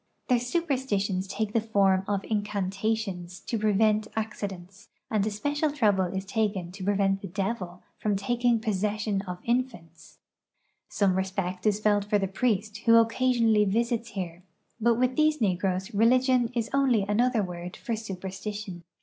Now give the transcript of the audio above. Their superstitions take the form of incantations to prevent acci dents, and especial trouble is taken to prevent the devil from taking possession of infants. Some respect is felt for the priest who occasionally visits here, but with these negroes religion is only another word for superstition.